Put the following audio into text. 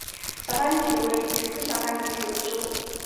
小甘菊为菊科小甘菊属的植物。